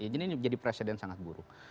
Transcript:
jadi ini jadi presiden sangat buruk